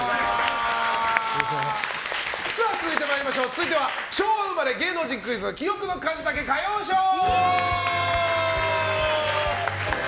続いては昭和生まれ芸能人クイズ記憶の数だけ歌謡ショー！